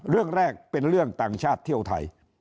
เรื่องแรกเป็นเรื่องต่างชาติเที่ยวไทย